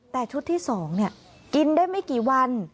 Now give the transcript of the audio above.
แต่ชุดที่๒กินได้ไม่กี่วัน